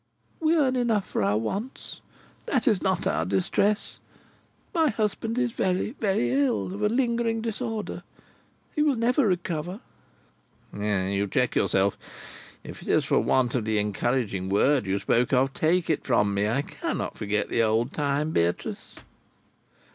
"We earn enough for our wants. That is not our distress. My husband is very, very ill of a lingering disorder. He will never recover—" "You check yourself. If it is for want of the encouraging word you spoke of, take it from me. I cannot forget the old time, Beatrice."